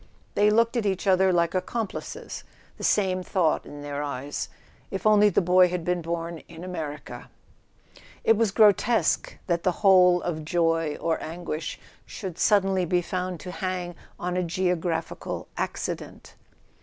They looked at each other like ac¬ complices, the same thought in their eyes: if only the boy had been born in America! It was grotesque that the whole of joy or anguish should suddenly be found to hang on a geographical accident.